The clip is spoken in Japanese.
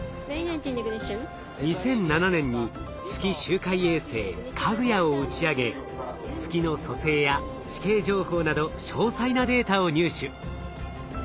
２００７年に月周回衛星「かぐや」を打ち上げ月の組成や地形情報など詳細なデータを入手。